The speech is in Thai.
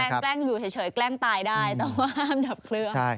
แกล้งอยู่เฉยแกล้งตายได้แต่ว่าห้ามดับเครื่อง